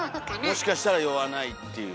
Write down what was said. もしかしたら酔わないっていう。